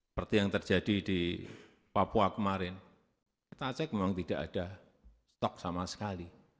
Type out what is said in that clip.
seperti yang terjadi di papua kemarin kita cek memang tidak ada stok sama sekali